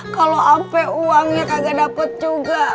kalau ampe uangnya kagak dapat juga